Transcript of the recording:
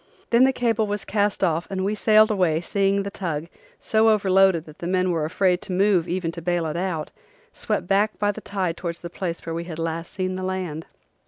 Then the cable was cast off and we sailed away seeing the tug, so overloaded that the men were afraid to move even to bail it out, swept back by the tide towards the place where we had last seen the land.